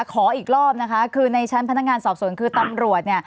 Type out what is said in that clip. ขออีกรอบนะคะคือในชั้นพนักงานสอบสวนคือตำรวจ